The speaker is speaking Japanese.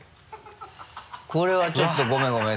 これはちょっとごめんごめん。